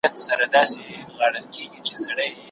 که ته راسره وای، نو دا ستونزه به حل سوې وای.